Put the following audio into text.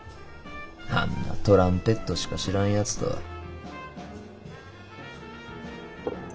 あんなトランペットしか知らんやつとは。